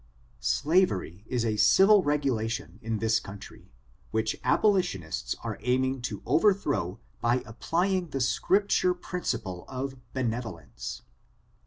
Slavery is a civil regulation in this country, which abolitionists are aiming to overthrow by applying the Scripture principle of benevolence.